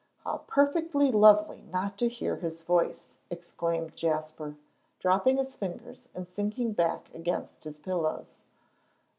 How perfectly lovely not to hear his voice," exclaimed Jasper, dropping his fingers and sinking back against his pillows.